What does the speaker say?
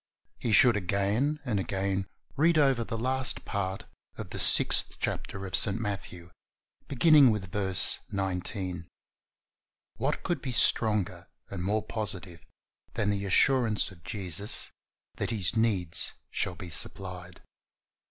He should again and again read over the last part of the sixth chapter of St. Matthew, beginning with verse 19. What could be stronger and more positive than the assurance of Jesus that his needs shall be supplied?